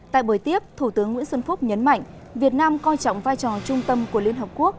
tại buổi tiếp thủ tướng nguyễn xuân phúc nhấn mạnh việt nam coi trọng vai trò trung tâm của liên hợp quốc